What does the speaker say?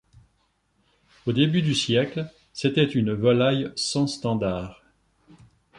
Au début du siècle, c'était une volaille sans standard.